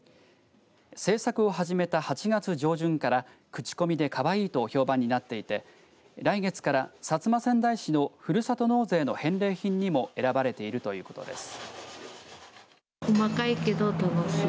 製作を始めた８月上旬から口コミでかわいいと評判になっていて来月から薩摩川内市のふるさと納税の返礼品にも選ばれているということです。